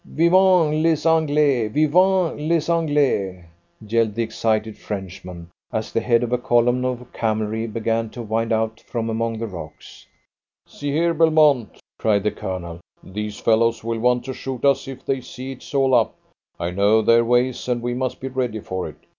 Vivent les Anglais! Vivent les Anglais!_" yelled the excited Frenchman, as the head of a column of camelry began to wind out from among the rocks. "See here, Belmont," cried the Colonel. "These fellows will want to shoot us if they see it is all up. I know their ways, and we must be ready for it.